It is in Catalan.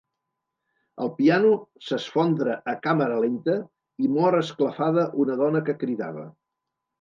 El piano s'esfondra a càmera lenta i mor esclafada una dona que cridava.